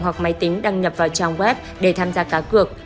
hoặc máy tính đăng nhập vào trang web để tham gia cá cược